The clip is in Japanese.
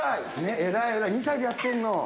えらい、えらい、２歳でやってんの。